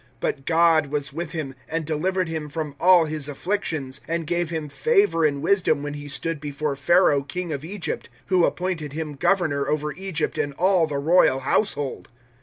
But God was with him 007:010 and delivered him from all his afflictions, and gave him favour and wisdom when he stood before Pharaoh, king of Egypt, who appointed him governor over Egypt and all the royal household.